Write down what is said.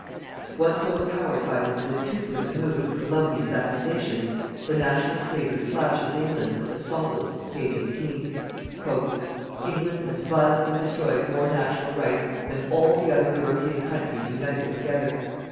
Once overpowered by this vituperative mood of calumnious accusations, the Nationalist leader slashes England, as follows, page 18 : "_England has violently destroyed more national rights than all the other European countries united together.